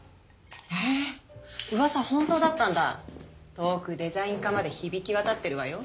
遠くデザイン課まで響き渡ってるわよ。